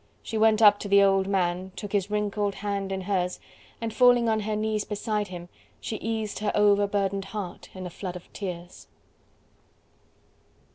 She went up to the old man took his wrinkled hand in hers and falling on her knees beside him she eased her overburdened heart in a flood of tears.